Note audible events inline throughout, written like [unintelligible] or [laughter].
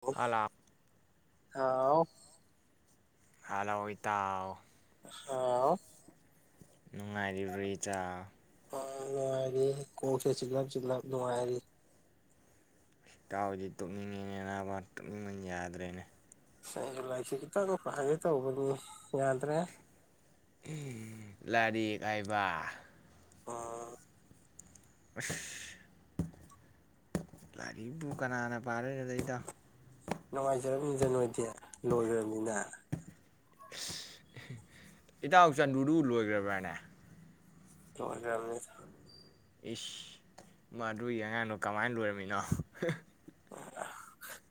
ꯑꯥꯎ hello INAUDIBLE hello ꯏꯇꯥ ꯍꯥꯎ ꯅꯨꯡꯉꯥꯏꯔꯤꯕꯔ꯭ ꯏꯆꯥ ꯑꯥ ꯅꯨꯡꯉꯥꯏꯔꯤ ꯀꯣꯛꯁꯦ ꯆꯤꯛꯂꯞ ꯆꯤꯛꯂꯞ ꯅꯨꯡꯉꯥꯏꯔꯤ ꯇꯥꯎꯗꯤ ꯇꯨꯞꯅꯤꯡꯉꯦꯅꯦ ꯅꯥꯕ ꯇꯨꯝꯅꯤꯡꯕꯅ ꯌꯥꯗ꯭ꯔꯦꯅꯦ ꯑꯁ ꯑꯩꯖꯨ ꯂꯥꯏꯁꯤ ꯈꯤꯇꯪ ꯄꯥꯒꯦ ꯇꯧꯕꯅꯤ ꯌꯥꯗ꯭ꯔꯦ ꯑꯝ ꯂꯥꯏꯔꯤꯛ ꯍꯥꯏꯕ ꯑꯥ ꯑꯁ ꯂꯥꯏꯔꯤꯕꯨ ꯀꯅꯥꯅ ꯄꯥꯗꯣꯏꯅꯣꯗ ꯏꯇꯥꯎ ꯗ ꯅꯣꯏꯗꯤ ꯂꯣꯏꯒꯔ꯭ꯝ ꯅꯤꯅꯥ ꯏꯇꯥꯎ ꯆꯟꯗꯨꯗꯨ ꯂꯣꯏꯒꯔ꯭ ꯕ꯭ꯔꯥꯅꯦ ꯂꯣꯏꯒꯔꯝꯅꯤꯗ ꯏꯁꯁ ꯃꯗꯨꯒꯤ ꯑꯉꯥꯡꯗꯨ ꯀꯃꯥꯏꯅ ꯂꯣꯏꯔꯝꯃꯤꯅꯣ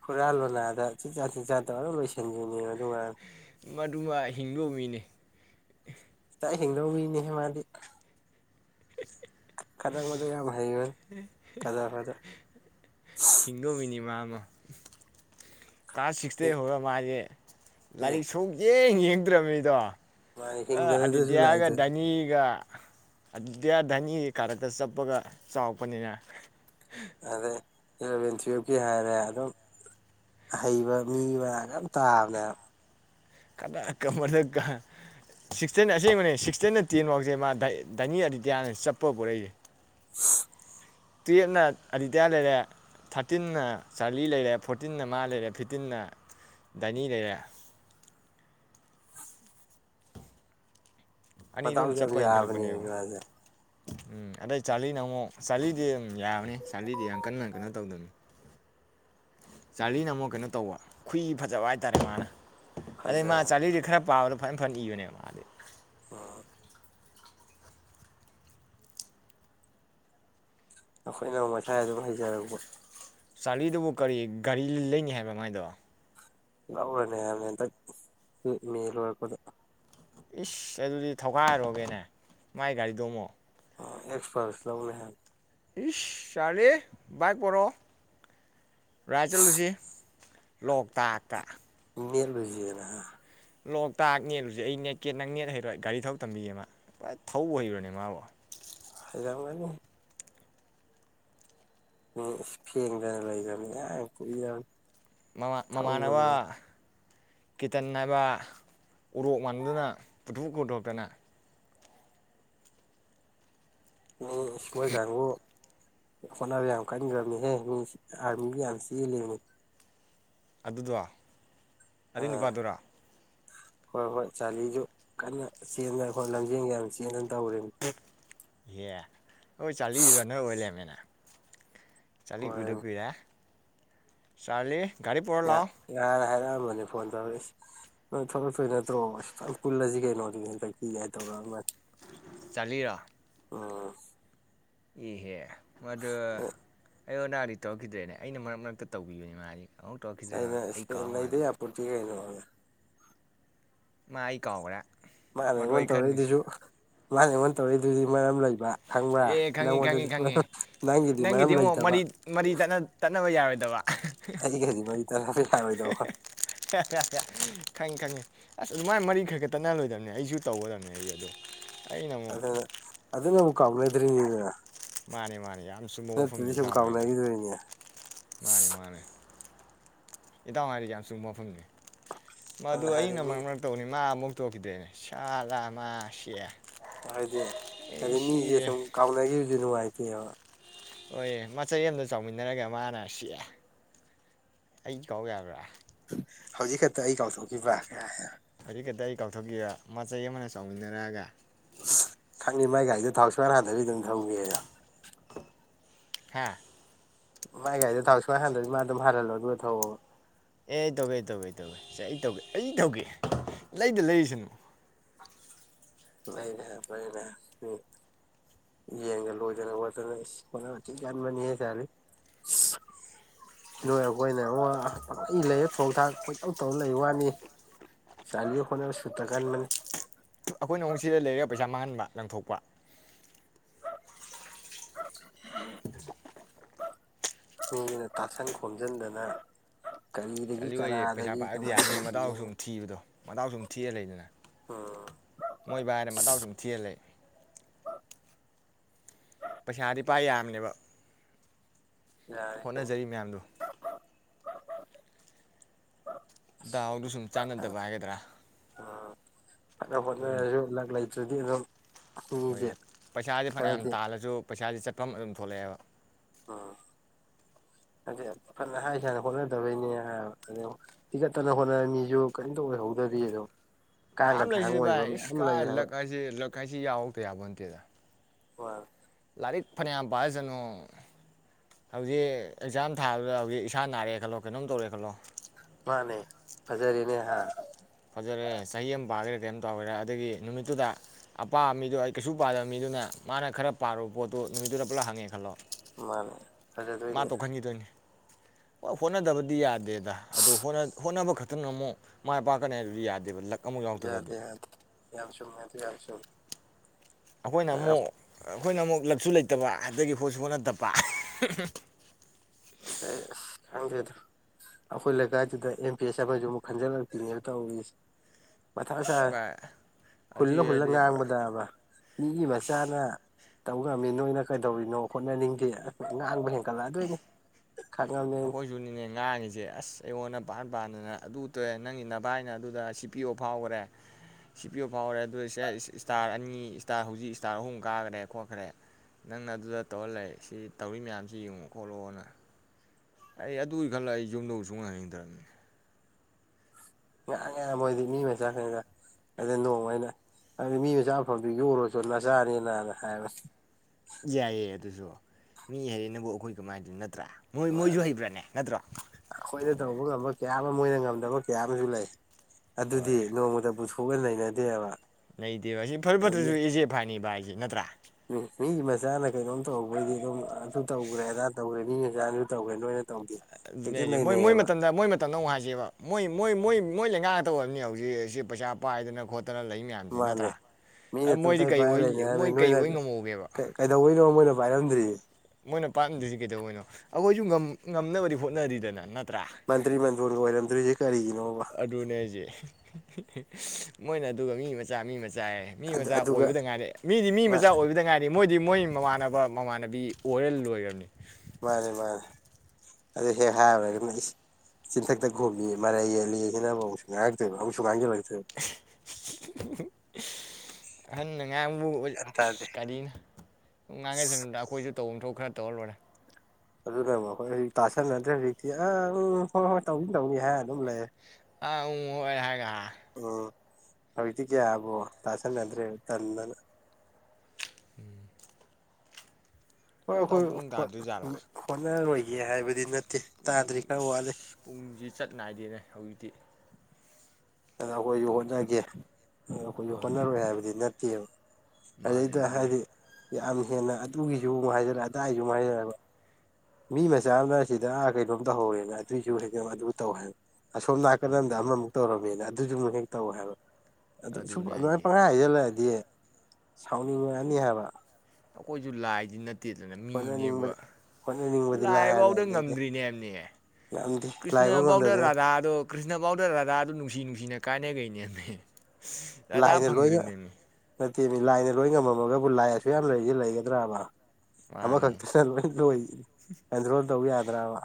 ꯍꯨꯔꯥꯜ ꯂꯣꯅꯥꯗ ꯆꯤꯠꯆꯥ ꯆꯤꯠꯆꯥ ꯇꯧꯔ ꯂꯣꯏꯁꯟꯒꯤꯅꯦ ꯃꯗꯨ ꯉꯥꯡ ꯃꯗꯨꯃ ꯍꯤꯡꯗꯣ ꯃꯤꯅꯤ [unintelligible] ꯍꯤꯡꯗꯧꯃꯤꯅꯦꯍꯦ ꯃꯥꯗꯤ ꯈꯗꯔ꯭ꯛ ꯃꯗꯔ꯭ꯛ ꯌꯥꯝ ꯍꯩꯕꯅꯤ ꯀꯗꯔ ꯐꯗꯔ ꯍꯤꯡꯗꯣꯃꯤꯅꯤ ꯃꯥ ꯑꯃ ꯀ꯭ꯂꯥꯁ ꯁꯤꯛꯁꯇꯩ ꯍꯧꯔ ꯃꯥꯖꯦ ꯑꯦ ꯂꯥꯏꯔꯤꯛ ꯁꯨꯡꯌꯦꯡ ꯌꯦꯡꯗ꯭ꯔꯕꯃꯤꯗꯣ ꯃꯥꯅꯤ ꯑꯥ ꯍꯤꯡꯗꯅꯗꯁꯨ ꯑꯗꯤꯇꯤꯌꯥꯒ ꯂꯥꯛꯏꯗꯨꯅꯤ ꯗꯥꯏꯅꯤꯒ ꯑꯗꯨꯗꯤ ꯙꯅꯤꯒꯤ ꯀꯥꯔꯛꯇ ꯆꯠꯄꯒ ꯆꯥꯎꯔꯛꯄꯅꯤꯅꯦ ꯑꯗꯩ ꯑꯦꯂꯚꯦꯟ ꯇꯨꯌꯦꯞꯀꯤ ꯍꯥꯏꯔꯦ ꯑꯗꯨꯝ ꯑꯍꯩꯕ ꯃꯤ ꯃꯤ ꯃꯅꯥꯛꯇ ꯑꯗꯨꯝ ꯇꯥꯕꯅꯦꯕ [unintelligible] ꯁꯤꯛꯁꯇꯩꯅ ꯑꯁꯦꯡꯕꯅꯦ ꯁꯤꯛꯁꯇꯩꯅ ꯇꯦꯟꯕꯥꯎꯖꯦ ꯃꯥ ꯗꯥꯏꯅꯤ ꯑꯗꯤꯇꯤꯌꯥꯅ ꯆꯞꯄ ꯄꯣꯔꯛꯏ ꯖꯦ ꯇꯨꯌꯦꯞꯅ ꯑꯗꯤꯇꯤꯌꯥ ꯂꯩꯔꯦ ꯊꯥꯔꯇꯤꯟꯅ ꯆꯥꯔꯂꯤ ꯂꯩꯔꯦ ꯐꯣꯔꯇꯤꯟꯅ ꯃꯥ ꯂꯩꯔꯦ ꯐꯤꯐꯇꯤꯟꯅ ꯗꯥꯏꯅꯤ ꯂꯩꯔꯦ ꯑꯅꯤꯗꯨꯅ ꯃꯗꯥꯎꯖꯨ ꯌꯥꯝ ꯆꯞꯄ ꯌꯥꯕꯅꯦꯃꯤ ꯏꯟꯈꯠꯂꯛꯄꯅꯦꯕ ꯃꯥꯖꯦ ꯎꯝ ꯑꯗꯩ ꯆꯥꯔꯂꯤꯅ ꯑꯃꯨꯛ ꯆꯥꯔꯂꯤꯗꯤ ꯎꯝ ꯌꯥꯕꯅꯤ ꯆꯥꯔꯂꯤꯗꯤ ꯌꯥꯝ ꯀꯟꯅ ꯀꯩꯅꯣ ꯇꯧꯗꯝꯅꯤ ꯆꯥꯔꯂꯤꯅ ꯑꯃꯨꯛ ꯀꯩꯅꯣ ꯇꯧꯕ ꯈꯨꯏ ꯐꯖꯕ ꯍꯥꯏꯇꯥꯔꯦ ꯃꯥꯅ ꯑꯗꯩ ꯐꯖ ꯃꯥ ꯆꯥꯔꯂꯤꯗꯤ ꯈꯔꯞ ꯄꯥꯕꯗꯣ ꯐꯟ ꯐꯟ ꯏꯕꯅꯦ ꯃꯥꯗꯤ ꯑꯥ ꯑꯈꯣꯏꯅ ꯑꯃꯨꯛ ꯃꯁꯥꯏ ꯑꯗꯨꯝ ꯍꯩꯖꯔꯛꯄ ꯆꯥꯔꯂꯤꯗꯨꯕꯨ ꯀꯔꯤ ꯒꯥꯔꯤ ꯂꯩꯅꯤ ꯍꯥꯏꯕꯔ꯭ ꯃꯥꯏꯗꯣ ꯂꯧꯥꯔꯅꯤ ꯍꯥꯏꯝꯅꯤ ꯍꯟꯇꯛ ꯃꯦ ꯂꯣꯏꯔꯛꯄꯗ ꯏꯁꯁ ꯑꯗꯨꯗꯤ ꯊꯧꯒꯥꯏꯔꯣꯒꯦꯅꯦ ꯃꯥꯏ ꯒꯥꯔꯤꯗꯣ ꯑꯃꯨꯛ ꯑ ꯑꯦꯛꯁꯄꯜꯁ ꯂꯧꯅꯦ ꯍꯥꯏꯝ ꯏꯁ ꯆꯥꯔꯂꯤ ꯕꯥꯏꯛ ꯄꯣꯔꯣꯑꯣ ꯔꯥꯏꯠ ꯆꯠꯂꯨꯖꯤ ꯂꯣꯛꯇꯥꯛꯇ ꯁꯤꯗꯅ ꯂꯣꯛꯇꯥꯛ ꯅꯦꯠꯂꯨꯁꯦ ꯑꯩ ꯅꯦꯛꯀꯦꯠ ꯅꯪ ꯅꯦꯠ ꯍꯩꯔꯣ ꯒꯥꯔꯤ ꯊꯧ ꯇꯝꯕꯤꯒꯦꯠ ꯅꯪ ꯊꯧꯕ ꯍꯩꯕ꯭ꯔꯅꯦ ꯅꯪ ꯍꯩꯔꯝꯃꯅꯤ ꯐꯦꯡꯗꯅ ꯂꯩꯔꯅꯤ ꯌꯥ ꯀꯨꯏꯔꯅꯤ ꯃ ꯃꯃꯥꯟꯅꯕ ꯀꯤꯇꯟ ꯍꯥꯏꯕ ꯎꯔꯣꯛ ꯃꯥꯟꯅꯗꯅ ꯄꯨꯊꯣꯛ ꯄꯨꯊꯣꯛꯇꯅ ꯎꯝ ꯀꯣꯏꯈꯥꯡꯉ ꯍꯣꯠꯅꯕ ꯌꯥꯝ ꯀꯟꯈ꯭ꯔꯕꯃꯤꯍꯦ ꯃꯤ ꯑꯥꯔꯃꯤꯒꯤ ꯌꯥꯝ ꯆꯦꯜꯂꯤꯅꯤ ꯑꯗꯨꯗꯣ ꯑꯗꯨ ꯑꯥ ꯅꯨꯄꯥꯗꯨꯔꯥ ꯍꯣꯏ ꯍꯣꯏ ꯆꯥꯂꯤꯁꯨ ꯀꯟꯅ ꯆꯦꯟꯟꯅ ꯍꯣꯏ ꯂꯝꯖꯦꯟꯒ ꯌꯥꯝ ꯆꯦꯟꯟꯅ ꯇꯎꯔꯤ ꯌꯦꯡ ꯍꯣꯏ ꯆꯥꯂꯤꯁꯤꯗ ꯔꯟꯅꯔ ꯑꯣꯏ ꯂꯩꯃꯤꯅ ꯆꯥꯂꯤ ꯍꯣꯏ ꯎꯗ ꯀꯨꯏꯔꯦ ꯆꯂꯤ ꯉ ꯌꯥ ꯍꯥꯏ ꯅꯦ ꯐꯣꯟ ꯇꯧꯔꯛ ꯅꯣꯏ ꯊꯣꯛꯂꯛꯇꯣꯏ ꯅꯠꯇ꯭ꯔꯣ ꯑꯁ ꯌꯥꯝ ꯄꯨꯜꯂꯁꯤ ꯀꯩꯅꯣꯗꯨꯒꯤ ꯍꯦꯟꯗꯛ ꯀꯤꯒꯥꯏꯅ ꯇꯧꯔꯑ ꯃꯥ ꯆꯂꯤ ꯑꯥ ꯏꯍꯦ ꯃꯗꯨ ꯑꯩꯉꯣꯟꯗꯗꯤ ꯇꯧꯔꯛꯈꯤꯗ꯭ꯔꯦꯅꯦ ꯑꯩꯅ ꯃꯔꯛ ꯃꯔꯛꯇ ꯇꯧꯕꯤꯈꯤꯕꯅꯦ ꯃꯥꯗꯤ ꯑꯃꯨꯛ ꯇꯧꯔꯛꯈꯤꯗ꯭ꯔꯦ ꯃꯥ ꯑꯩ ꯀꯥꯎ ꯃꯥꯜꯂꯦ ꯁꯅꯗ ꯑꯄꯇꯤ ꯀꯩꯅ ꯃꯥ ꯑꯩ ꯀꯥꯎ꯭ꯔꯦ ꯃꯥꯅꯦ ꯑꯩꯉꯣꯟꯗ ꯇꯧꯔꯛꯏꯗꯨꯁꯨ ꯃꯥ ꯑꯩꯉꯣꯟ ꯇꯧꯔꯛꯏ ꯑꯗꯨꯗꯤ ꯃꯔꯝ ꯂꯩꯕ ꯈꯪꯕ꯭ꯔꯥ ꯑꯦ ꯈꯪꯉꯤ ꯈꯪꯉꯤ ꯅꯪꯉꯣꯟꯗꯗꯤ ꯈꯪꯉꯤ ꯃꯔꯝ ꯃꯔꯝ ꯅꯪꯒꯤꯗꯤ ꯑꯃꯨꯛ ꯂꯩꯇꯕ ꯃꯔꯤ ꯃꯔꯤ ꯇꯠꯅꯕ ꯌꯥꯔꯣꯏꯗꯤ ꯑꯩꯗꯤ ꯀꯩꯗꯧꯕꯩ ꯃꯔꯤ ꯇꯠꯅꯕ ꯌꯥꯔꯣꯏꯗꯣꯏꯕ ꯈꯪꯉꯤ ꯈꯪꯉꯦ ꯑꯗꯨꯃꯥꯏꯅ ꯃꯔꯤ ꯈꯔ ꯈꯔ ꯇꯠꯅꯍꯜꯂꯣꯏꯗꯕꯅꯤ ꯑꯩꯁꯨ ꯇꯧꯒꯗꯕꯅꯤ ꯑꯩꯗꯤ ꯑꯗꯣ ꯑꯩꯅ ꯑꯃꯨꯛ ꯑꯗꯨ ꯑꯗꯨ ꯅꯕꯨ ꯀꯥꯎ ꯑꯗꯨꯅꯤꯗꯅ ꯃꯥꯅꯤ ꯃꯥꯅꯤꯌꯥ ꯌꯥꯝ ꯆꯨꯝꯕ ꯋꯥꯐꯝꯅꯤ ꯏꯇꯥꯎꯅ ꯍꯥꯏꯗꯣ ꯀꯥꯎꯅꯈꯤꯗꯣꯏꯅꯦ ꯃꯥꯅꯤ ꯃꯥꯅꯦ ꯏꯇꯥꯎ ꯍꯥꯏꯔꯤꯗꯣ ꯌꯥꯝ ꯆꯨꯝꯕ ꯋꯥꯐꯝꯅꯦ ꯃꯗꯨ ꯑꯗꯨꯅ ꯍꯥꯏꯗꯤ ꯑꯩꯅ ꯃꯤ ꯃꯔꯛ ꯃꯔꯛ ꯇꯧꯅꯤ- ꯃꯥ ꯑꯃꯨꯛ ꯇꯣꯔꯛꯈꯤꯗ꯭ꯔꯦꯅꯦ ꯁꯥ ꯂꯥ ꯃꯥ ꯁꯤꯑꯦ ꯍꯥꯏꯗꯤ ꯑꯩ ꯍꯥꯏꯗꯤ ꯃꯤꯖꯦ ꯁꯤꯑꯦ ꯁꯨꯝ ꯀꯥꯎꯅꯒꯤꯕꯖꯨ ꯅꯨꯡꯉꯥꯏ- ꯇꯦꯕ꯫ ꯍꯣꯏꯌꯦ ꯃꯆꯩ ꯑꯃꯗ ꯆꯥꯎꯃꯤꯟꯅꯔꯒ ꯃꯥꯅ ꯁꯤ ꯑꯦ ꯑꯩ ꯀꯥꯎ ꯌꯥꯕ꯭ꯔꯥ ꯍꯧꯖꯤꯛ ꯈꯛꯇ ꯑꯩ ꯀꯥꯎꯊꯣꯛꯈꯤꯕꯥ ꯍꯧꯖꯤꯛ ꯈꯠꯇ ꯑꯩ ꯀꯥꯎꯊꯣꯛꯈꯤꯕ ꯃꯆꯩ ꯑꯃꯅ ꯆꯥꯎꯃꯤꯟꯅꯔꯛꯑꯒ ꯈꯪꯅꯤ ꯃꯥꯏ ꯒꯥꯔꯤꯗꯣ ꯊꯥꯎ ꯁꯨꯡꯍꯥꯟ ꯍꯥꯟꯗꯕꯤ ꯑꯗꯨꯝ ꯊꯧꯒꯦꯌꯣ꯫ ꯍꯥꯥ ꯃꯥꯏ ꯒꯥꯔꯤꯗꯣ ꯊꯥꯎ ꯁꯨꯡꯍꯥꯟ ꯍꯥꯟꯗꯕꯤ ꯃꯥ ꯑꯗꯨꯝ ꯍꯥꯜꯍꯜꯂꯣ ꯑꯗꯨꯒ ꯊꯧꯑꯣꯕ꯫ ꯑꯦ ꯑꯩ ꯇꯧꯒꯦ ꯑꯩ ꯇꯧꯒꯦ ꯑꯩ ꯇꯧꯒꯦ ꯁꯦ ꯑꯩ ꯇꯧꯒꯦ ꯑꯩ ꯇꯧꯒꯦ ꯂꯩꯗ ꯂꯩꯒꯤꯁꯅꯨ ꯂꯩꯔꯅꯤ ꯍꯥꯏꯕꯅꯤ ꯂꯩꯔꯅꯤ ꯍꯥꯏꯕꯅꯤ ꯃꯤ ꯌꯦꯟꯒ ꯂꯣꯏꯗꯅ ꯈꯣꯠꯇꯅ ꯏꯁ ꯍꯣꯠꯅꯕ ꯊꯤ ꯀꯟꯕꯅꯤꯍꯦ ꯆꯥꯔꯂꯤ ꯁꯍ ꯅꯣꯏ ꯑꯈꯣ- ꯈꯣꯏꯅ ꯉꯣ ꯄꯪꯂꯩ ꯂꯩ- ꯊꯣꯛ ꯊꯥꯛ ꯀꯣꯏꯇꯧ ꯇꯧ ꯂꯩꯕ ꯋꯥꯅꯤ ꯆꯥꯔꯂꯤ ꯍꯣꯠꯅꯕ ꯁꯨꯠꯇ ꯀꯟꯕꯅꯤ ꯑꯩꯈꯣꯏ ꯅꯃꯨꯛ ꯁꯤꯗ ꯂꯩꯔꯒ ꯄꯩꯁꯥ ꯃꯥꯡꯍꯟꯕ ꯂꯪꯊꯣꯛꯄ [inaudible] ꯃꯤꯒꯤꯅ ꯇꯥꯁꯟ ꯈꯣꯝꯖꯟꯗꯅ ꯆꯥꯔꯂꯤꯍꯣꯏꯖꯦ ꯄꯩꯁꯥ ꯄꯥꯏꯕꯗꯤ ꯌꯥꯔꯃꯤꯍꯦ ꯃꯗꯥꯎ ꯇꯧꯁꯤꯒꯦ ꯁꯨꯝ ꯊꯤꯕꯗꯣ ꯃꯗꯥꯎ ꯁꯨꯝ ꯊꯤꯔ ꯂꯩꯗꯅ ꯎꯝ ꯃꯣꯏ ꯕꯥ ꯍꯥꯏꯔꯦ ꯃꯗꯥꯎ ꯁꯨꯝ ꯊꯤꯔ ꯂꯩ꯫ ꯄꯩꯁꯥꯗꯤ ꯄꯥꯏ ꯌꯥꯝꯅꯦꯕ ꯌꯥꯔꯦꯁꯦ ꯍꯣꯠꯅꯖꯔꯤ ꯃꯌꯥꯝꯗꯨ ꯗꯥꯎꯗꯨ ꯁꯨꯝ ꯆꯥꯟꯅꯗꯕ ꯍꯥꯏꯒꯗ꯭ꯔꯥ ꯎꯝ ꯐꯅ ꯍꯣꯠꯅꯔꯖꯨ ꯂꯛ ꯂꯩ- ꯇ꯭ꯔꯗꯤ ꯑꯗꯨꯝ ꯃꯤꯁꯦ ꯍꯣꯏꯌꯦ ꯄꯩꯁꯥꯥꯁꯦ ꯐꯅꯌꯥꯝ ꯈꯔꯗꯤ ꯇꯥꯜꯂꯁꯨ ꯄꯩꯁꯥꯥꯖꯦ ꯆꯠꯐꯝ ꯑꯗꯨꯝ ꯊꯣꯛꯂꯛꯑꯦꯕ ꯎꯝ ꯑꯗꯩ ꯑ ꯐꯅ ꯍꯥꯏ ꯁꯥꯅ ꯍꯣꯠꯅꯗꯕꯩꯅꯦ ꯍꯥꯏꯕ ꯑꯗꯩ ꯍꯣ ꯇꯤꯈꯠꯇꯅ ꯍꯣꯠꯅꯕ ꯃꯤꯖꯨ ꯀꯔꯤꯝꯇ ꯑꯣꯏꯍꯧꯗꯕꯤ ꯑꯗꯨꯝ ꯀꯥꯡꯒ ꯃꯌꯥꯝ ꯊꯥꯡ ꯂꯩꯁꯤꯗꯤ ꯑꯣꯏꯕ ꯚꯥꯏ ꯏꯁ ꯃꯌꯥꯝ ꯂꯩ ꯀꯥꯏ ꯍꯥꯏꯕ ꯂꯛ ꯍꯥꯏꯁꯤ ꯂꯛ ꯍꯥꯏ ꯁꯤ ꯌꯥꯎꯇ ꯌꯥꯄꯣꯟꯇꯦꯗ ꯃꯥꯅꯤ ꯂꯥꯏꯔꯤꯛ ꯐꯅꯌꯥꯝ ꯄꯥꯖꯅꯨ ꯍꯧꯖꯤꯛ ꯑꯦꯛꯖꯥꯝ ꯊꯥꯕꯗ ꯍꯧꯖꯤꯛ ꯏꯁꯥ ꯅꯥꯔꯛꯑꯦ ꯈꯜꯂꯣ ꯀꯩꯅꯣꯝ ꯇꯧꯔꯦ ꯈꯜꯂꯣ ꯃꯥꯅꯦ ꯐꯖꯔꯦꯅꯦ ꯑꯥ ꯐꯖꯔꯦ ꯆꯍꯤ ꯑꯃ ꯄꯥꯒꯦꯔꯥ ꯀꯔꯤꯝ ꯇꯧꯒꯦꯔꯥ ꯑꯗꯒꯤ ꯅꯨꯃꯤꯠꯇꯨꯗ ꯑꯄꯥꯕ ꯃꯤꯗꯣ ꯑꯩ ꯀꯩꯁꯨ ꯄꯥꯗꯕ ꯃꯤꯗꯨꯅ ꯃꯥꯅ ꯈꯔ ꯄꯥꯔꯨꯕ ꯄꯣꯠꯇꯨ ꯅꯨꯃꯤꯠꯇꯨꯗ ꯄꯨꯂꯞ ꯍꯪꯉꯛꯑꯦ ꯈꯜꯂꯣ ꯃꯥꯅꯦ ꯃꯥ ꯐꯖꯗꯣꯏꯅꯦ ꯇꯣꯛ ꯈꯟꯒꯤꯗꯣꯏꯅꯤ ꯍꯣꯏ ꯍꯣꯠꯅꯗꯕꯗꯤ ꯌꯥꯗꯦꯗ ꯑꯗꯨ ꯍꯣꯠꯅ ꯍꯣꯠꯅꯕ ꯈꯛꯇꯅ ꯑꯃꯨꯛ ꯃꯥꯏ ꯄꯥꯛꯀꯅꯤ ꯍꯥꯏꯗꯨꯗꯤ ꯌꯥꯗꯦꯕ ꯂꯛ- ꯑꯃꯨꯛ ꯌꯥꯗꯦ ꯌꯥꯎꯗ꯭ꯔꯒꯗꯤ ꯌꯥꯗꯦ ꯌꯥꯝ ꯆꯨꯝꯃꯦ ꯑꯗꯨ ꯌꯥꯝ ꯆꯨꯝꯃꯦ ꯑꯩꯈꯣꯏꯅ ꯑꯁ ꯑꯃꯨꯛ ꯑꯩꯈꯣꯏꯅ ꯑꯃꯨꯛ ꯂꯛꯁꯨ ꯂꯩꯇꯕ ꯑꯗꯒꯤ ꯍꯣꯠꯁꯨ ꯍꯣꯠꯅꯗꯕ ꯑ ꯑꯁ ꯈꯪꯗꯦꯗ ꯑꯩꯈꯣꯏ ꯂꯩꯀꯥꯏꯗꯨꯗ ꯑꯦꯝ ꯄꯤ ꯑꯦꯁ ꯑꯃꯨꯛ ꯈꯟꯖꯜꯂꯛꯄꯤꯅꯦ ꯇꯧꯔꯤꯁꯦ ꯃꯊꯥ ꯏꯁ ꯁꯥꯏꯍꯦ ꯚꯥꯏ ꯑꯗꯨ ꯍꯨꯜꯂ ꯍꯨꯜꯂ ꯑꯣꯏꯔꯗꯤ ꯄꯨꯔꯥ ꯉꯥꯡꯕꯗꯕ ꯃꯤꯒꯤ ꯃꯆꯥꯅ ꯇꯧꯒꯝꯃꯤ ꯅꯣꯏꯅ ꯀꯩꯗꯧꯔꯤꯅꯣ ꯍꯣꯠꯅꯅꯤꯡꯗꯦ ꯉꯥꯡꯕ [inaudible] [inaudible] ꯑꯩꯈꯣꯏꯁꯨꯅꯤꯅꯦ ꯉꯥꯡꯉꯤꯁꯦ ꯑꯁ ꯑꯩꯉꯣꯟꯗ ꯄꯥꯟ ꯄꯥꯟꯗꯅ ꯑꯗꯨ ꯇꯧꯑꯦ ꯅꯪꯒꯤ ꯅꯚꯏꯅ ꯑꯗꯨꯗ ꯁꯤ ꯄꯤ ꯑꯣ ꯐꯥꯎꯈ꯭ꯔꯦ ꯁꯤ ꯄꯤ ꯑꯣ ꯐꯥꯎꯈ꯭ꯔꯦ ꯑꯗꯨꯁꯦ ꯏꯁꯇꯥꯔ ꯑꯅꯤ ꯏꯁꯇꯥꯔ ꯍꯧꯖꯤꯛ ꯏꯁꯇꯥꯔ ꯑꯍꯨꯝ ꯀꯥꯈ꯭ꯔꯦ ꯈꯣꯠꯈ꯭ꯔꯦ ꯅꯪꯅ ꯑꯗꯨꯗ ꯇꯧꯔ ꯂꯩ ꯁꯤ ꯇꯧꯔꯤ ꯃꯌꯥꯝꯁꯤ ꯌꯦꯡꯉꯣ ꯈꯣꯠꯂꯣꯅ ꯑꯩ ꯑꯗꯨꯒꯤ ꯈꯜꯂꯒ ꯑꯩ ꯌꯨꯝꯗꯒ ꯁꯨꯨꯡꯍꯟ ꯍꯟꯅꯤꯡꯗ꯭ꯔꯕꯅꯤ ꯉꯥꯏꯍꯥꯡ ꯉꯥꯏ ꯃꯣꯏꯗꯤ ꯃꯤ ꯃꯆꯥꯈꯩꯗ ꯑꯗ ꯅꯣꯡꯃꯅ ꯅꯣꯡꯃ ꯑꯩꯅ ꯤ ꯃꯆꯥ ꯑꯐꯕꯗꯣ ꯌꯣꯛꯔꯨꯔꯣ ꯅꯆꯥꯅꯤꯅꯅ ꯍꯥꯏꯕꯅꯤ ꯌꯥꯏꯌꯦ ꯑꯗꯨꯁꯨ ꯃꯤ ꯍꯥꯏꯔ ꯅꯪꯕꯨ ꯑꯩꯈꯣꯏ ꯀꯃꯥꯏꯅꯗꯨ ꯅꯠ ꯅꯠꯇ꯭ꯔꯥ ꯃꯣꯏ ꯃꯣꯏꯁꯨ ꯃꯥꯅꯦ ꯍꯩꯕ꯭ꯔꯥꯅꯦ ꯅꯠꯇ꯭ꯔꯣ ꯑꯩꯈꯣꯏꯅ ꯇꯧꯕ ꯉꯝꯕ ꯀꯌꯥ ꯑꯃ ꯃꯣꯏꯅ ꯉꯝꯗꯕ ꯀꯌꯥ ꯑꯃꯁꯨ ꯂꯩ ꯍꯣꯏ ꯑꯗꯨꯗꯤ ꯅꯣꯡꯇꯕꯨ ꯂꯩꯅꯗꯦꯕ ꯅꯩꯗꯦꯕ ꯁꯤ ꯐꯔ ꯐꯠꯇꯁꯨ ꯏꯖꯦ ꯏꯐꯥꯏꯅꯤ ꯕ ꯥꯏ ꯁꯤ ꯅꯠꯇ꯭ꯔꯥ ꯃꯤꯒꯤ ꯃꯆꯥꯅ ꯀꯩꯅꯣꯝ ꯇꯧꯕꯩꯗꯤ ꯑꯗꯨꯝ ꯑꯗꯨ ꯇꯧꯈ꯭ꯔꯦ ꯑꯗꯥ ꯇꯧꯈ꯭ꯔꯦ ꯃꯤ ꯃꯆꯥꯅꯁꯨ ꯇꯧꯈ꯭ꯔꯦ ꯅꯣꯏꯅ ꯇꯧꯗꯦ ꯍꯦꯛꯇ ꯑꯗꯨꯁꯦ ꯃꯣꯏ ꯃꯣꯏ ꯅꯩꯅꯩꯌꯦꯕ ꯃꯇꯝꯗ ꯃꯣꯏ ꯃꯇꯝꯗ ꯑꯃꯨꯛ ꯍꯥꯏꯁꯦꯕ ꯃꯣꯏ ꯃꯣꯏ ꯃꯣꯏ ꯃꯣꯏ ꯂꯩꯉꯥꯛ ꯇꯧꯕꯅꯤ ꯍꯧꯖꯤꯛ ꯑꯁꯤ ꯄꯩꯁꯥ ꯄꯥꯏꯗꯅ ꯈꯣꯠ ꯅꯠꯇꯅ ꯂꯩ ꯃꯌꯥꯝꯁꯤ ꯃꯥꯅꯦ ꯅꯠꯇ꯭ꯔꯥ ꯑ ꯃꯤꯅ ꯇꯞ ꯃꯣꯏꯗꯤ ꯇꯥꯏ ꯀꯩ ꯄꯥꯏꯔ ꯂꯩꯅꯔꯝꯃꯤ ꯃꯣꯏ ꯀꯩ ꯑꯣꯏ ꯉꯝꯍꯧꯒꯦꯕ ꯥꯄꯥꯏꯔꯝꯗ꯭ꯔꯤꯁꯦ ꯃꯣꯏꯅ ꯄꯥꯝꯗꯣꯏꯁꯤ ꯀꯩꯗꯧꯕꯅꯣ ꯑꯩꯈꯣꯏꯁꯨ ꯉꯝꯅꯕꯗꯤ ꯍꯣꯠꯅꯔꯤꯗꯅ ꯅꯠꯇ꯭ꯔꯥ ꯃꯇ꯭ꯔꯤ ꯃꯟꯗꯣꯟ ꯑꯣꯏꯔꯝꯗ꯭ꯔꯤꯁꯦ ꯀꯔꯤꯒꯤꯅꯣ ꯑꯗꯨꯅꯦ ꯍꯥꯏꯁꯦ ꯃꯣꯏꯅ ꯑꯗꯨꯒ ꯃꯤ ꯃꯆꯥ ꯃꯤ ꯃꯆꯥ ꯌꯦ ꯃꯤ ꯃꯆꯥ ꯑꯗꯨꯒ ꯑꯣꯏꯕꯗ ꯉꯥꯏꯔꯦ ꯃꯤꯗꯤ ꯃꯤ ꯃꯆꯥ ꯑꯣꯏꯕꯗ ꯉꯥꯏꯔꯤꯦ ꯃꯣꯏꯗꯤ ꯃꯣꯏ ꯃꯃꯥꯟꯅꯕ ꯃꯃꯥꯟꯅꯕꯤ ꯑꯣꯏꯔ ꯂꯣꯏꯔꯕꯅꯤ ꯑꯗꯨꯗꯣ ꯍꯦꯛ ꯍꯥꯏꯔꯨꯔꯒ ꯆꯤꯟꯊꯛꯇ ꯈꯣꯝꯕꯤ ꯃꯔꯩ ꯌꯦꯠꯜꯂꯤꯁꯤꯅꯕꯨ ꯑꯃꯨꯛꯁꯨ ꯉꯥꯡꯉꯛꯇꯣꯏꯕ ꯑꯃꯨꯛꯁꯨ ꯉꯥꯡꯖꯔꯣꯏ ꯑꯍꯟꯅ ꯉꯥꯡꯕꯨ ꯒ꯭ꯌꯥꯟ ꯇꯥꯗꯦ ꯑꯁ ꯀꯔꯤꯅꯣ ꯉꯥꯡꯁ ꯁꯅꯨꯗ ꯑꯩꯈꯣꯏꯁꯨ ꯇꯧꯊꯣꯛ ꯈꯔ ꯇꯧꯔ ꯂꯣꯏꯔꯦ ꯑꯗꯨꯅꯕꯨ ꯑꯩꯈꯣꯏ ꯇꯥꯁꯟꯅꯗꯕꯤ ꯍꯧꯖꯤꯛꯇꯤ ꯑ ꯑꯪ ꯍꯣꯏ ꯍꯣꯏ ꯇꯧꯅꯤ ꯇꯧꯅꯤ ꯍꯥꯏ ꯑꯗꯨꯝ ꯂꯩ ꯑ ꯎ ꯍꯣꯏ ꯍꯥꯏꯒ ꯎꯝ ꯍꯧꯖꯤꯛꯇꯤ ꯀꯌꯥꯕꯨ ꯇꯥꯁꯟꯅꯗ꯭ꯔꯦ ꯇꯟꯗꯅ ꯎꯝ ꯍꯣꯏ ꯄꯨꯡ ꯇꯥꯗꯣꯏꯖꯥꯠꯂꯥ ꯑꯈꫭꯏ [unintelligible] ꯍꯥꯏꯕꯗꯤ ꯅꯠ ꯄꯨꯡꯖꯤ ꯑꯁ ꯄꯨꯡꯖꯤ ꯆꯠ ꯅꯥꯏꯗꯦꯅꯦ ꯍꯧꯖꯤꯛ ꯇꯤ ꯑꯗꯨꯅ ꯑꯈꯣꯏꯖꯨ ꯍꯣꯠꯅꯒꯦ ꯑꯈꯣꯏꯖꯨ ꯍꯣꯏ ꯍꯣꯠꯅꯔꯣꯏ ꯍꯥꯏꯕꯗꯤ ꯅꯠ ꯇꯦꯕ ꯃꯥꯅꯤ ꯑꯗꯩꯗ ꯃꯥꯅꯤ ꯍꯥꯏꯗꯤ ꯌꯥꯝ ꯍꯦꯟꯅ ꯑꯗꯨꯒꯤꯖꯨ ꯑꯃꯨꯛ ꯍꯥꯏꯖꯜꯂꯛ ꯑꯗꯥꯒꯤꯖꯨ ꯑꯃꯨꯛ ꯍꯥꯏꯖꯜꯂꯛ ꯑꯦꯕꯥ ꯃꯤ ꯃꯆꯥ ꯑꯃꯅ ꯁꯤꯗ ꯀꯩꯅꯣꯝ ꯇꯧꯍꯧꯔꯦꯒ ꯑꯗꯨꯏꯖꯨ ꯍꯦꯡꯇ ꯑꯗꯨ ꯇꯧꯍꯥꯏꯕꯥ ꯑꯁꯣꯝ ꯅꯥꯀꯟ ꯑꯝꯗ ꯑꯗꯨꯅꯦ ꯑꯃꯃꯨꯛ ꯇꯧꯔꯝꯃꯦꯅ ꯑꯗꯨꯖꯨꯃꯨꯛ ꯍꯦꯛꯇꯧ ꯍꯥꯏꯕ ꯑꯗꯨ ꯁꯨꯝ ꯑꯗꯨꯅꯦ ꯑꯗꯨꯃꯥꯏ ꯍꯥꯏꯁꯦ ꯄꯪꯍꯥꯏ ꯍꯥꯏꯖꯜꯂꯛꯑꯗꯤ ꯁꯥꯎꯅꯤꯡꯉꯛꯑꯅꯤ ꯍꯥꯏꯕ ꯑꯈꯣꯏꯖꯨ ꯂꯥꯏꯗꯤ ꯅꯠ ꯇꯦꯗꯅ ꯍꯣꯠꯅꯅꯤꯡꯕ ꯃꯤꯅꯦꯕ ꯍꯣꯠꯅꯅꯤꯡꯕꯗꯤ ꯂꯥꯏꯔꯗꯅ ꯂꯥꯏꯐꯥꯎꯗ ꯑꯗꯩꯗꯤ ꯉꯝꯗ꯭ꯔꯤꯅꯦꯑꯝꯅꯤ ꯉꯝꯗꯦ ꯂꯥꯏꯕ ꯀ꯭ꯔꯤꯁꯅꯐꯧꯗ ꯉꯝꯗꯗꯅ ꯔꯥꯙꯥꯗꯣ ꯀ꯭ꯔꯤꯁꯅꯐꯥꯎꯗ ꯔꯥꯙꯥꯗꯣ ꯅꯨꯡꯁꯤ ꯅꯨꯡꯁꯤꯅ ꯀꯥꯥꯏꯅꯒ꯭ꯔꯤꯅꯦꯄꯤ ꯔꯗꯥ ꯂꯥꯏꯅ ꯂꯣꯏꯅ ꯐꯪꯗ꯭ꯔꯤꯕꯅꯦꯑꯝꯅꯤ ꯅꯠꯇꯦ ꯃꯤ ꯂꯥꯏꯅ ꯂꯣꯏ ꯉꯝꯃꯝꯃꯒꯕꯨ ꯂꯥꯏ ꯑꯁꯨꯛ ꯌꯥꯝ ꯂꯩꯔꯤꯖꯦ ꯂꯩꯒꯗ꯭ꯔꯥꯕ ꯑꯃ ꯃꯥꯅꯦ ꯀꯥꯛꯇꯨꯅ ꯂꫭꯏ ꯂꫭꯏ ꯀꯟꯇ꯭ꯔꫭꯜ ꯇꯧ ꯌꯥꯗ꯭ꯔꯕ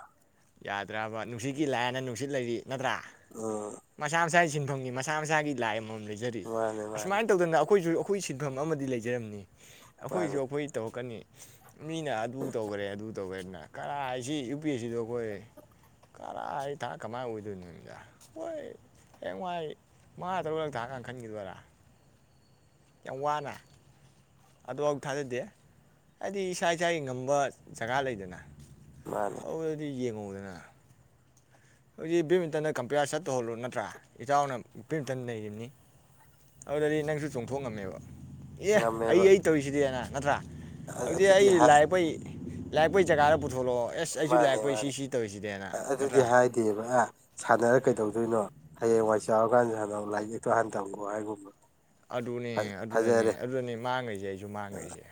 ꯌꯥꯗ꯭ꯔꯕ ꯅꯨꯡꯁꯤꯠꯀꯤ ꯂꯥꯏꯅ ꯅꯨꯡꯁꯤꯠ ꯂꯩꯔꯤ ꯅꯠꯇ꯭ꯔꯥ ꯎꯝ ꯃꯁꯥ ꯃꯁꯥꯁꯤꯟ ꯐꯝꯒꯤ ꯃꯁꯥ ꯃꯁꯥꯒꯤ ꯂꯥꯏ ꯂꯩꯖꯔꯤ ꯃꯥꯅꯦ ꯃꯥꯅꯦ ꯑꯁꯨꯃꯥꯏꯅ ꯇꯧꯗꯅ ꯑꯈꫭꯏꯖꯨ ꯑꯈꯣꯏ ꯁꯤꯟꯐꯝ ꯑꯃꯗꯤ ꯂꯩꯖꯔꯝꯅꯤ ꯑꯈꯣꯏꯖꯨ ꯃꯥꯅꯦ ꯑꯈꯣꯏ ꯇꯧꯔꯛꯀꯅꯤ ꯃꯤꯅ ꯑꯗꯨ ꯇꯧꯈꯔꯦ ꯑꯗꯨ ꯇꯧꯈꯔꯦꯅ ꯀꯔꯥꯏ ꯁꯤ ꯌꯨ ꯄꯤ ꯑꯦ ꯁꯤ ꯑꯈꯣꯏ ꯀꯔꯥꯏ ꯊꯥ ꯀꯃꯥꯏꯅ ꯑꯣꯏꯗꯣꯏꯅꯣꯃꯤꯗ ꯍꯣꯏ ꯍꯥꯌꯦꯡ ꯋꯥꯥꯏ ꯃꯥꯥ ꯇꯔꯨꯂꯛ ꯊꯥꯔꯀꯥꯟꯗ ꯈꯟꯒꯤꯗꯣꯏꯔꯥ ꯌꯥꯝ ꯋꯥꯅ ꯑꯗꯨꯐꯥꯎ ꯊꯥꯖꯗꯦ ꯑꯗꯤ ꯏꯁꯥ ꯏꯁꯥꯒꯤ ꯉꯝꯕ ꯖꯒꯥ ꯂꯩꯗꯅ ꯃꯥꯅꯦ ꯑꯗꯨꯗꯗꯤ ꯌꯦꯡ ꯉꯧ [unintelligible] ꯍꯧꯖꯤꯛ ꯕꯦꯠꯃꯤꯟꯇꯟꯗ ꯀꯝꯄꯤꯌꯥꯔ ꯁꯠ ꯇꯧꯍꯜꯂꯣ ꯅꯠꯇ꯭ꯔꯥ ꯏꯆꯥꯎꯅ ꯕꯦꯠꯃꯤꯟꯇꯟ ꯂꯩꯔꯤꯕꯅꯤ ꯑꯗꯨꯗꯗꯤ ꯅꯪꯁꯨ ꯆꯣꯡꯊꯣꯛ ꯉꯝꯃꯦꯕ ꯑꯦ ꯑꯩ ꯉꯝꯃꯦꯕ ꯑꯩ ꯇꯧꯔꯤꯁꯤꯗꯤꯅ ꯅꯠꯇ꯭ꯔꯥ ꯍꯧꯖꯤꯛ ꯑꯗꯨꯗꯤ ꯑꯩ ꯍꯥꯏ ꯂꯥꯏ ꯌꯦꯛꯄꯩ ꯂꯩꯄ‌ꯣꯏ ꯖꯒꯥꯗ ꯄꯨ ꯊꯣꯛꯂꯛꯑꯣ ꯑꯦꯁ ꯑꯩꯁꯨ ꯃꯥꯅꯦ ꯂꯩꯄ‌ꯣꯏ ꯃꯥꯅꯦ ꯁꯤ ꯁꯤ ꯇꯧꯔꯤꯁꯤꯗꯦꯅ ꯑꯗꯨꯗꯤ ꯅꯠꯇ꯭ꯔ ꯍꯥꯏꯗꯦꯕ ꯑ ꯁꯥꯟꯅꯔ ꯀꯩꯗꯧꯗꯣꯏꯅꯣ ꯍꯌꯦꯡꯋꯥꯏ ꯆꯥꯎꯔꯀꯥꯟ ꯁꯥꯟꯅꯧ ꯂꯥꯏꯔꯤꯛ ꯇꯣ ꯍꯥꯟꯅ ꯇꯝꯈꯣ ꯍꯥꯏꯒꯨꯝꯕ ꯑꯗꯨꯅꯦ ꯑꯗꯨꯗꯅꯦ ꯑꯗꯨꯗꯅꯦ ꯃꯥꯡꯉꯩꯁ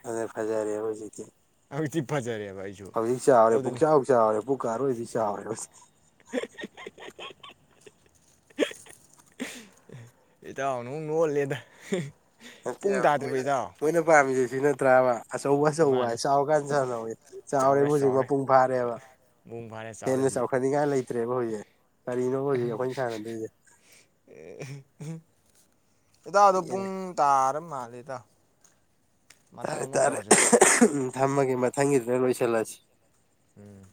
ꯑꯗꯨ ꯐꯖꯥꯔ‌ꯦꯕ ꯍꯧꯖꯤꯛꯇꯤ ꯍꯧꯖꯤꯛꯇꯤ ꯐꯖꯔꯦꯕ ꯑꯩꯁꯨ ꯍꯧꯖꯤꯛ ꯆꯥꯎꯔꯦ ꯄꯨꯛ ꯑꯗꯨꯗꯅꯤ ꯆꯥꯎ ꯆꯥꯎꯔꯦ ꯄꯨꯛꯀ ꯑꯔꯣꯏꯕꯤ ꯆꯥꯎꯔꯦ ꯍꯧꯖꯤꯛ ꯏꯇꯥꯎꯅ ꯃꯨꯛ ꯅ‌ꯣꯛꯍꯜꯂ‌ꯦꯗ ꯅꯠꯇ‌ꯦꯕ ꯃꯣꯏꯅ ꯃꯣꯏꯅ ꯄꯥꯝꯃꯤ ꯁꯤ ꯅꯠꯇ꯭ꯔꯥꯕ ꯑꯆꯧꯕ ꯑꯆꯧꯕ ꯍꯥꯏ ꯃꯥꯅꯤ ꯆꯥꯎꯀꯥꯟꯗ ꯁꯥꯟꯅꯧꯋ‌ꯣꯌ‌ꯦ ꯆꯥꯎꯔꯦ ꯍꯧꯖꯤꯛ ꯃꯄꯨꯡ ꯐꯥꯔꯦꯕ ꯃꯄꯨꯡ ꯐꯥꯔꯦ ꯆꯥꯎꯔꯦ ꯍꯦꯟꯅ ꯍꯧꯖꯤꯛ ꯆꯥꯎꯈꯠꯅꯤꯡꯉꯥꯏ ꯂꯩꯇ꯭ꯔꯦꯕ ꯍꯧꯖꯤꯛ ꯀꯔꯤꯅꯣꯕ ꯍꯧꯖꯤꯛ ꯑꯩꯈꯣꯏꯅ ꯁꯥꯟꯅꯗꯣꯏꯁꯦ ꯏꯇꯥꯎꯗꯣ ꯄꯤꯛꯑꯦ ꯄꯨꯡ ꯇꯥꯔ ꯃꯥꯜꯂꯤꯗ ꯇꯥꯔꯦ ꯇꯥꯔꯦ ꯎꯝ ꯊꯝꯃꯒꯦ ꯃꯊꯪꯒꯤꯗꯨꯗ ꯂꯣꯏꯁꯤꯜꯂꯁꯤ ꯎꯝ